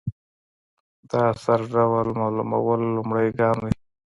د اثر ډول معلومول لومړی ګام دئ.